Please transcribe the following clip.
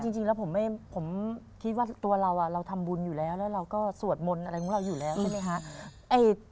จริงแล้วผมคิดว่าตัวเราเราทำบุญอยู่แล้วแล้วเราก็สวดมนต์อะไรของเราอยู่แล้วใช่ไหมคะ